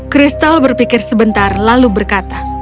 kristal berpikir sebentar lalu berkata